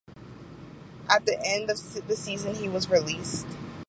At the end of the season he was released.